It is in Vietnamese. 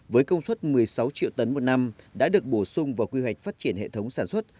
với công suất một mươi sáu triệu tấn một năm đã được bổ sung vào quy hoạch phát triển hệ thống sản xuất